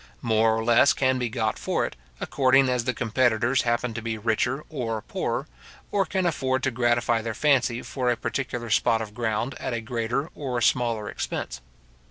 More or less can be got for it, according as the competitors happen to be richer or poorer, or can afford to gratify their fancy for a particular spot of ground at a greater or smaller expense.